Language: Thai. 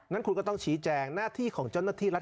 งั้นคุณก็ต้องชี้แจงหน้าที่ของเจ้าหน้าที่รัฐ